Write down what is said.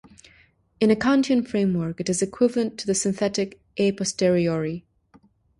In a Kantian framework, it is equivalent to the synthetic a posteriori.